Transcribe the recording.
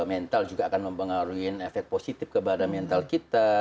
mental juga akan mempengaruhi efek positif kepada mental kita